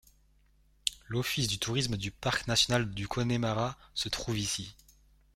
L'office du tourisme du Parc national du Connemara se trouve ici.